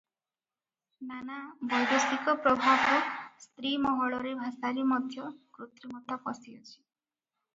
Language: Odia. ନାନା ବୈଦେଶିକ ପ୍ରଭାବରୁ ସ୍ତ୍ରୀମହଲରେ ଭାଷାରେ ମଧ୍ୟ କୃତ୍ରିମତା ପଶିଅଛି ।